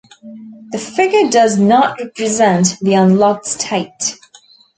The figure does not represent the "unlocked" state.